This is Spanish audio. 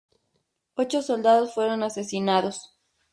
Ocho soldados fueron asesinados.